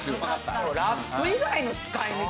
ラップ以外の使い道！？